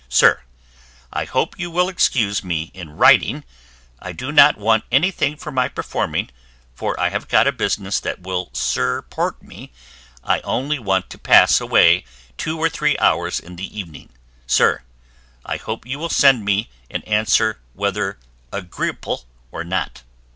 Sir i hope you Will Excuse me in Riting I do not Want any thing for my Performing for i have Got a Business that will Sirport me I only want to pass a Way 2 or 3 Hours in the Evening. Sir i hope you Will Send me an Answer Weather Agreeple or not.